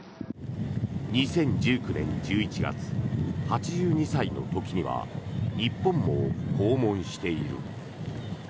２０１９年１１月８２歳の時には日本も訪問している。